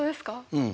うん。